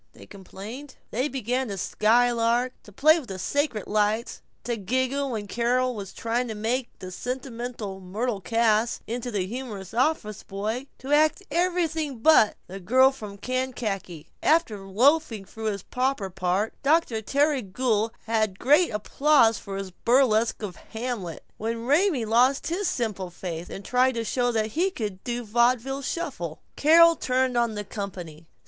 they complained. They began to skylark; to play with the sacred lights; to giggle when Carol was trying to make the sentimental Myrtle Cass into a humorous office boy; to act everything but "The Girl from Kankakee." After loafing through his proper part Dr. Terry Gould had great applause for his burlesque of "Hamlet." Even Raymie lost his simple faith, and tried to show that he could do a vaudeville shuffle. Carol turned on the company.